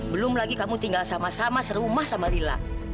belum lagi kamu tinggal sama sama serumah sama lila